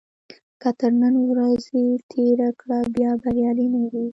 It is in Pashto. که تر نن ورځې تېره کړه بیا بریالی نه وي.